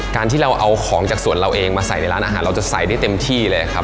การที่เราเอาของจากสวนเราเองมาใส่ในร้านอาหารเราจะใส่ได้เต็มที่เลยครับ